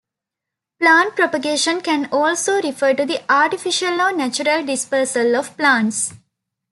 Plant propagation can also refer to the artificial or natural dispersal of plants.